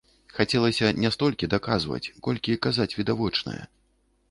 Хацелася не столькі даказваць, колькі казаць відавочнае.